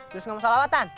terus gak mau solawatan